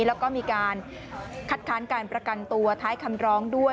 แล้วก็มีการคัดค้านการประกันตัวท้ายคำร้องด้วย